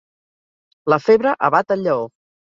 La febre abat el lleó.